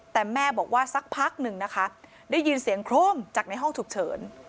แต่แม่บอกว่าสักพักหนึ่งนะคะได้ยินเสียงโครมจากในห้องฉุกเฉิน